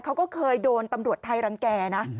เขาก็เคยโดนตำรวจไทยรังแก่นะ